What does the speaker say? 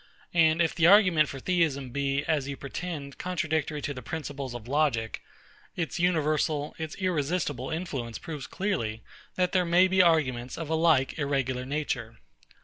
And if the argument for Theism be, as you pretend, contradictory to the principles of logic; its universal, its irresistible influence proves clearly, that there may be arguments of a like irregular nature.